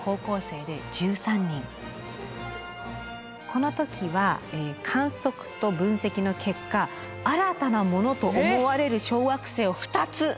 この時は観測と分析の結果新たなものと思われる小惑星を２つ発見しました。